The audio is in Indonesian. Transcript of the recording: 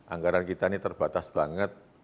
anggaran kita ini terbatas banget